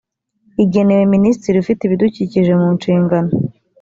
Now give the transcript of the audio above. igenewe minisitiri ufite ibidukikije mu nshingano